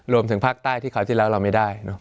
รวมถึงภาคใต้ที่คราวที่แล้วเราไม่ได้